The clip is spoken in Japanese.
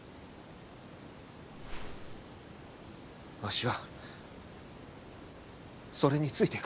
わしはそれについていく。